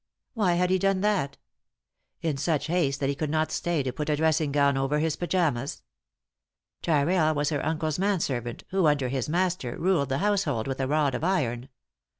Why had he done that? In such haste that he could not stay to put a dressing gown over his pyjamas? Tyrrell was her uncle's man servant, who, under his master, ruled the household with a rod of iron.